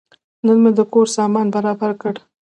نن مې د کور سامان برابر کړ.